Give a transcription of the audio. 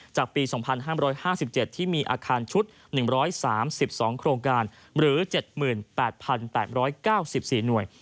จากปี๒๕๕๗ที่มีอาคารชุด๑๓๒โครงการหรือ๗๘๘๙๔หน่วย